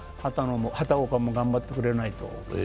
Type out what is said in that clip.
畑岡も頑張ってくれないと。